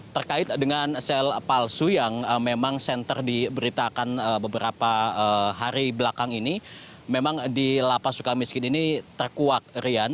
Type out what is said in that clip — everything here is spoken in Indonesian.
terkait dengan sel palsu yang memang senter diberitakan beberapa hari belakang ini memang di lapas suka miskin ini terkuak rian